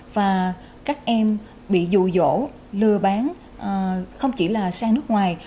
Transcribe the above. và các em bị dụ dỗ lừa bán không chỉ là sang nước ngoài